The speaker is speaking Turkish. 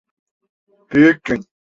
Büyük gün.